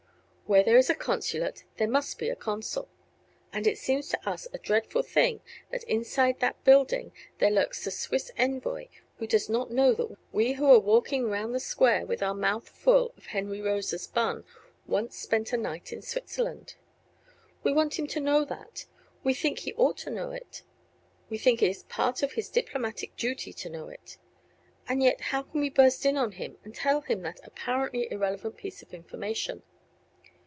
Where there is a consulate there must be a consul, and it seems to us a dreadful thing that inside that building there lurks a Swiss envoy who does not know that we, here, we who are walking round the Square with our mouth full of Henry Rosa's bun, once spent a night in Switzerland. We want him to know that; we think he ought to know it; we think it is part of his diplomatic duty to know it. And yet how can we burst in on him and tell him that apparently irrelevant piece of information?